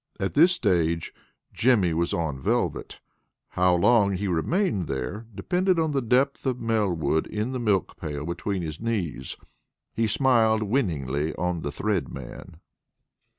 At this stage Jimmy was on velvet. How long he remained there depended on the depth of Melwood in the milk pail between his knees. He smiled winningly on the Thread Man.